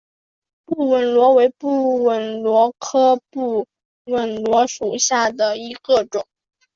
布纹螺为布纹螺科布纹螺属下的一个种。